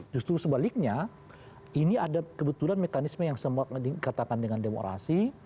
justru sebaliknya ini ada kebetulan mekanisme yang dikatakan dengan demokrasi